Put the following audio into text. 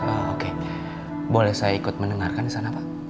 oke boleh saya ikut mendengarkan di sana pak